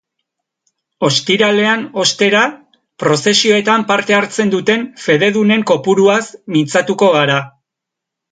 Ostiralean, ostera, prozesioetan parte hartzen duten fededunen kopuruaz mintzatuko gara.